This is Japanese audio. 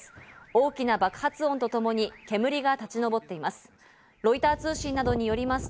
大きな爆発音とともに煙が立ち上っています。